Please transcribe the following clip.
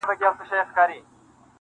هله هله د سپوږمۍ پر لوري یون دی,